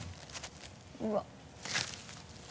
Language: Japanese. うわっ。